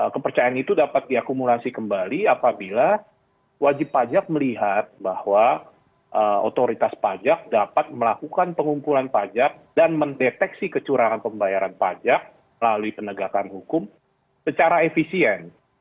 kepercayaan itu dapat diakumulasi kembali apabila wajib pajak melihat bahwa otoritas pajak dapat melakukan pengumpulan pajak dan mendeteksi kecurangan pembayaran pajak melalui penegakan hukum secara efisien